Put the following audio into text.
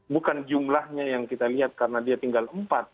bukan jumlahnya yang kita lihat karena dia tinggal empat